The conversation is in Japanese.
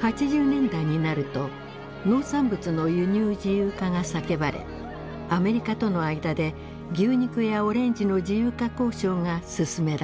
８０年代になると農産物の輸入自由化が叫ばれアメリカとの間で牛肉やオレンジの自由化交渉が進められます。